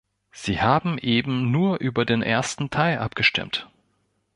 Sie haben eben nur über den ersten Teil abgestimmt.